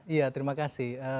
iya terima kasih